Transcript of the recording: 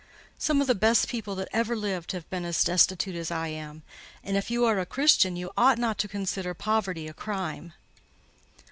Some of the best people that ever lived have been as destitute as I am; and if you are a Christian, you ought not to consider poverty a crime."